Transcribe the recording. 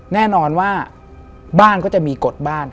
แน่นอนว่าบ้านก็จะมีกฎบ้าน